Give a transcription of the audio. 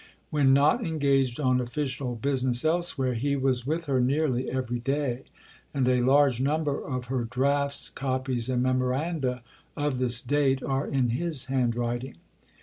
When not engaged on official business elsewhere, he was with her nearly every day, and a large number of her drafts, copies, and memoranda of this date are in his handwriting.